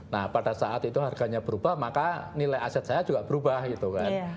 nah pada saat itu harganya berubah maka nilai aset saya juga berubah gitu kan